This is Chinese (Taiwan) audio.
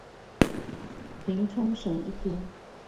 停沖繩一天